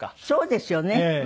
そうですよね。